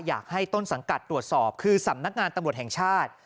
อยากให้ต้นสังกัดตรวจสอบคือสำนักงานตำรวจแห่งชาติ